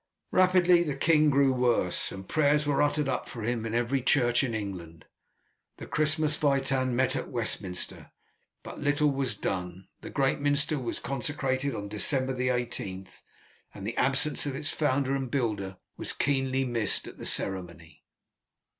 Rapidly the king grew worse, and prayers were uttered up for him in every church in England. The Christmas Witan met at Westminster, but little was done. The great minster was consecrated on December 18th, and the absence of its founder and builder was keenly missed at the ceremony.